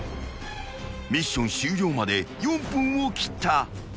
［ミッション終了まで４分を切った］